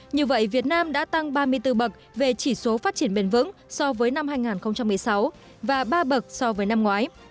như vậy việt nam đã tăng ba mươi bốn bậc về chỉ số phát triển bền vững so với năm hai nghìn một mươi sáu và ba bậc so với năm ngoái